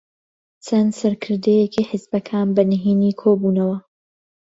چەند سەرکردەیەکی حیزبەکان بەنهێنی کۆبوونەوە.